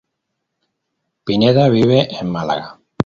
Pineda vive en Málaga.